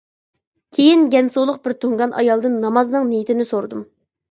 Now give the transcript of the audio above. كېيىن گەنسۇلۇق بىر تۇڭگان ئايالدىن نامازنىڭ نىيىتىنى سورىدىم.